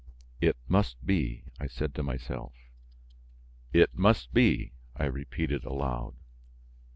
"It must be!" I said to myself. "It must be!" I repeated aloud.